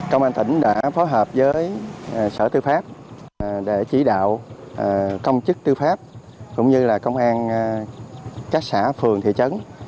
công an tỉnh đã phối hợp với sở tư pháp để chỉ đạo công chức tư pháp cũng như là công an các xã phường thị trấn